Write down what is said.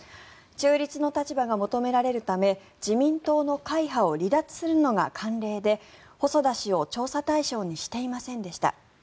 中立の立場が求められるため自民党の会派を離脱するのが慣例で細田氏を調査対象にしていませんでした。